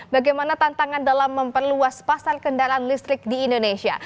bagaimana tantangan dalam memperluas pasar kendaraan listrik di indonesia